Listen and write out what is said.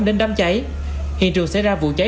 đến đám cháy hiện trường xảy ra vụ cháy